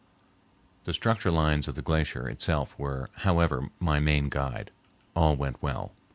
The structure lines of the glacier itself were, however, my main guide. All went well.